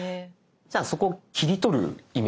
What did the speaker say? じゃあそこ切り取るイメージですかね。